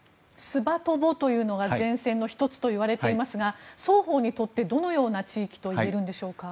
スバトボというのは前線の１つといわれていますが双方にとってどのような地域といえるんでしょうか？